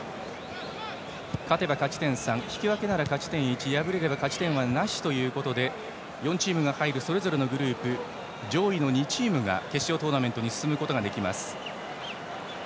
勝てば勝ち点３引き分けなら勝ち点１敗れれば勝ち点はなしということで４チームが入るそれぞれのグループ上位の２チームが決勝トーナメントに進出できます。